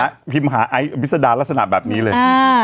ไปพิมพ์อายวิศนาราสนามแบบนี้เลย